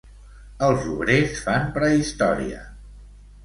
Els obrers fan prehistòria!